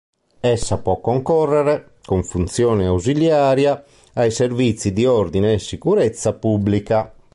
Essa può concorrere, con funzione ausiliaria, ai servizi di ordine e sicurezza pubblica.